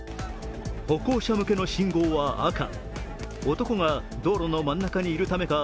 歩行者向けの信号は赤、男が道路の真ん中にいるためか